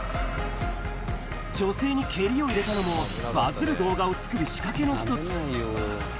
女性に蹴りを入れたのも、バズる動画を作る仕掛けの一つ。